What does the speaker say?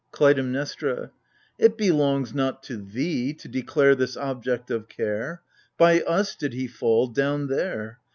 KLUTAIMNESTRA, It belongs not to thee to declare This object of care ! By us did he fall— down there